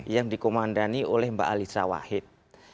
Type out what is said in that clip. yang dikomandani oleh mbak alisa wahid